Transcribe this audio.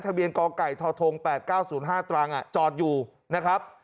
ทะเบียนก๋อไก่ทธงแปดเก้าศูนย์ห้าตรังอะจอดอยู่นะครับ